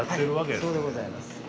はいそうでございます。